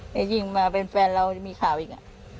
แต่ยิ่งมาเป็นแฟนเรามีข่าวอีก